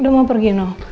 udah mau pergi no